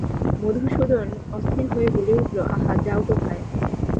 মধুসূদন অস্থির হয়ে বলে উঠল, আহা, যাও কোথায়?